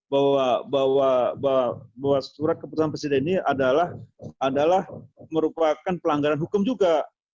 bahwa surat keputusan presiden ini adalah merupakan pelanggaran hukum juga